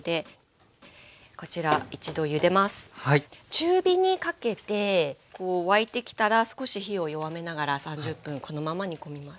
中火にかけて沸いてきたら少し火を弱めながら３０分このまま煮込みます。